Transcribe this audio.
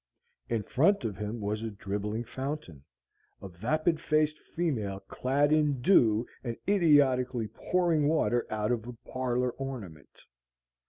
In front of him was a dribbling fountain, a vapid faced female clad in dew and idiotically pouring water out of a parlor ornament.